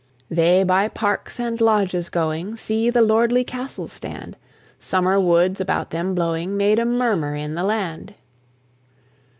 They by parks and lodges going See the lordly castles stand; Summer woods, about them blowing, Made a murmur in the land.